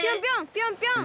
ぴょんぴょん！